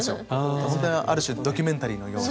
ある種ドキュメンタリーのような。